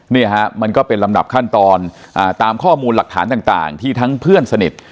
เนี่ยฮะมันก็เป็นลำดับขั้นตอนตามข้อมูลหลักฐานต่างที่ทั้งเพื่อนสนิท